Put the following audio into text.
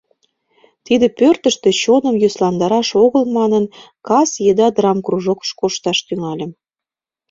Тиде пӧртыштӧ чоным йӧсландараш огыл манын, кас еда драмкружокыш кошташ тӱҥальым.